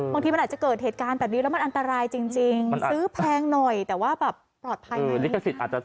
บางทีมันอาจจะเกิดเหตุการณ์แบบนี้แล้วมันอันตรายจริงซื้อแพงหน่อยแต่ว่าแบบปลอดภัย